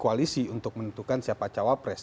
koalisi untuk menentukan siapa cawapres